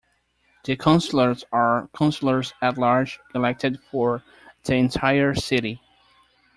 The councillors are councillors-at-large elected for the entire city.